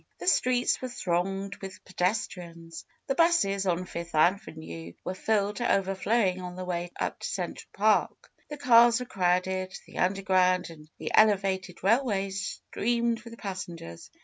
The streets were thronged with pedes trians. The 'buses on Fifth Avenue were filled to over flowing on their way up to Central Park. The cars were crowded; the underground and the elevated rail ways streamed with passengers.